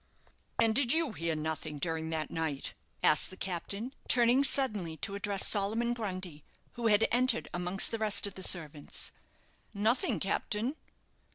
"And did you hear nothing during that night?" asked the captain, turning suddenly to address Solomon Grundy, who had entered amongst the rest of the servants. "Nothing, captain."